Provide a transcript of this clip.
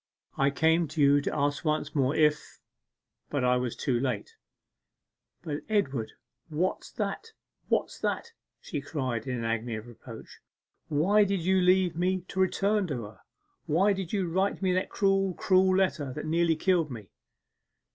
I came to you to ask once more if.... But I was too late.' 'But, Edward, what's that, what's that!' she cried, in an agony of reproach. 'Why did you leave me to return to her? Why did you write me that cruel, cruel letter that nearly killed me!